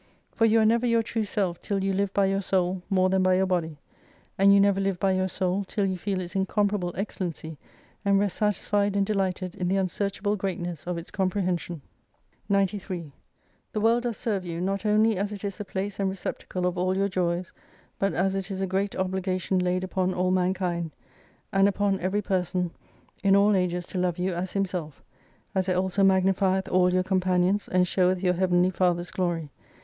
For you are never your true self, till you live by your soul more than by your body, and you never live by your soul till you feel its incomparable excellency, and rest satisfied and delighted in the unsearchable greatness of its compre hension. 93 The world does serve you, not only as it is the place and receptacle of all your joys, but as it is a great obligation laid upon all mankind, and upon every persor 146 in all ages to love you as himself ; as it also magnif ieth all your companions, and showeth your heavenly Father's glory.